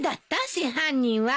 真犯人は。